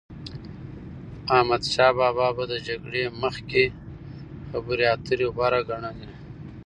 احمدشا بابا به د جګړی مخکي خبري اتري غوره ګڼلې.